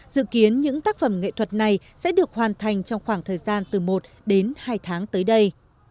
dự kiến những tác phẩm nghệ thuật này sẽ được hoàn thành trong khoảng thời gian từ một đến hai tháng tới đây